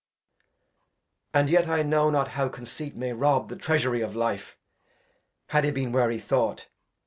And yet I know not how Conceit may rob The Treasury of Life, had he been where he thought.